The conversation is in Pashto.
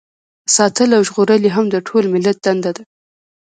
ساتل او ژغورل یې هم د ټول ملت دنده ده.